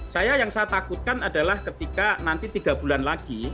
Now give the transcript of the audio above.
saya yang saya takutkan adalah ketika nanti tiga bulan lagi